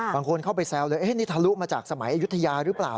บางคนเข้าไปแซวเลยนี่ทะลุมาจากสมัยอายุทยาหรือเปล่า